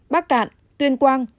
bác cạn tuyên quang